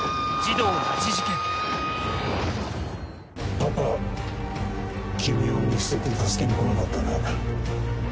パパ君を見捨てて助けに来なかったね。